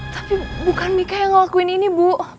tapi bukan mika yang ngelakuin ini bu